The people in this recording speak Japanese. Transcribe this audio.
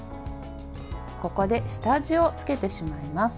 ここで下味をつけてしまいます。